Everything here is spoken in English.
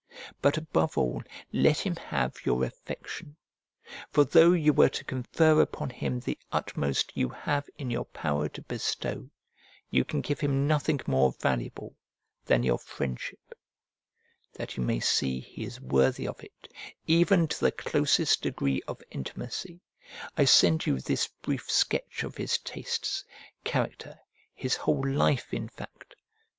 But above all let him have your affection; for though you were to confer upon him the utmost you have in your power to bestow, you can give him nothing more valuable than your friendship That you may see he is worthy of it, even to the closest degree of intimacy, I send you this brief sketch of his tastes, character, his whole life, in fact.